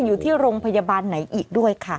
อยู่ที่โรงพยาบาลไหนอีกด้วยค่ะ